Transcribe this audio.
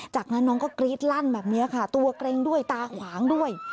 จากนั้นน้องก็กรี๊ดลั่นแบบนี้ค่ะตัวเกร็งด้วยตาขวางด้วย